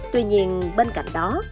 tuy nhiên bên cạnh đó